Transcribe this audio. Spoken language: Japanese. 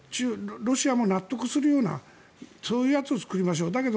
ロシアも納得するようなそういうやつを作りましょうと。